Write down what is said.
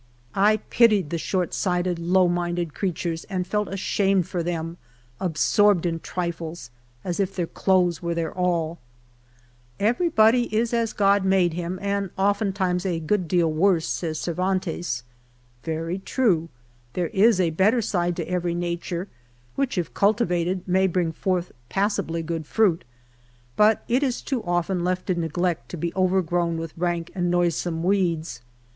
I pitied the short sighted, low minded creatures, and felt ashamed for them — absorbed in triiies — as if their clothes were their all !" Everybody is as God made him, and oftentimes a good deal worse," says Cervantes. Very true ; there is a better side to every nature, which if cultivated, may bring forth passably good fruit, but it is too often left in neglect to be overgrown with rank and noisome weeds.